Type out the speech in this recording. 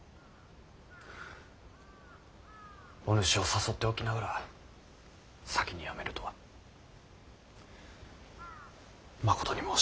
お主を誘っておきながら先に辞めるとはまことに申し訳ない。